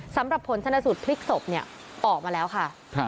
สำหรับผลชนสูตรพลิกศพเนี่ยออกมาแล้วค่ะ